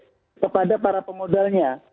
nah ini adalah cara pemodalnya